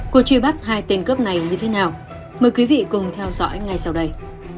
cuộc truy bắt hai tên cướp này như thế nào mời quý vị cùng theo dõi ngay sau đây